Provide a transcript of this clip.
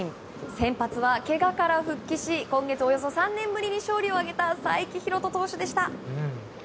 先発はけがから復帰し今月およそ３年ぶりに勝利を挙げた才木浩人投手でした。